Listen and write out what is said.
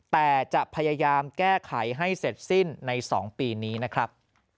แต่จะพยายามแก้ไขให้เสร็จสิ้นใน๒ปีนี้นะครับ